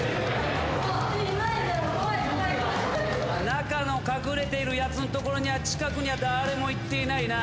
中の隠れているやつの所には近くには誰も行っていないな。